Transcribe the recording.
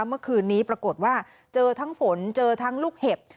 เมื่อคืนนี้ปรากฏว่าเจอทั้งฝนเจอทั้งลูกเห็บ